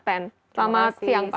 selamat siang pak